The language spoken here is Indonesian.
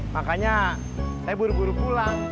makanya saya buru buru pulang